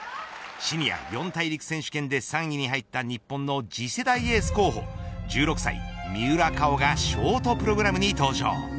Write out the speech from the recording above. シニア四大陸選手権で３位に入った日本の次世代エース候補１６歳三浦佳生がショートプログラムに登場。